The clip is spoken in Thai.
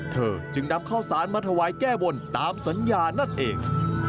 เธอจึงนำข้าวสารมาถวายแก้บนตามสัญญานั่นเอง